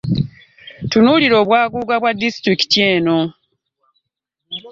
Tunuulira obwaguuga bwa disitulikiti eno!